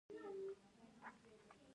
ایا ستاسو پرده به ځوړنده نه وي؟